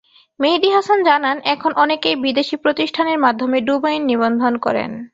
মেহেদী হাসান জানান, এখন অনেকেই বিদেশি প্রতিষ্ঠানের মাধ্যমে ডোমেইন নিবন্ধন করেন।